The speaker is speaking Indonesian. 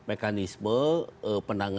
ada probe branding juga